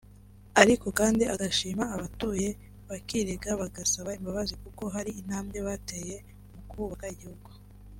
ariko kandi agashima abatuye bakirega bagasaba imbabazi kuko hari intambwe bateye mu kubaka igihugu